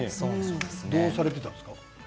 どうされていたんですか？